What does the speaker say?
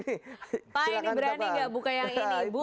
pak ini berani gak buka yang ini bu